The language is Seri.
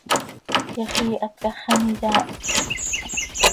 Quixiihat quih hax an iyaahit.